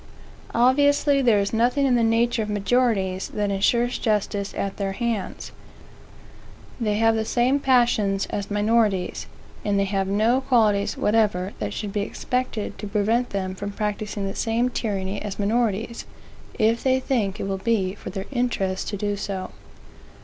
Obviously there is nothing in the nature of majorities, that insures justice at their hands. They have the same passions as minorities, and they have no qualities whatever that should be expected to prevent them from practising the same tyranny as minorities, if they think it will be for their interest to do so.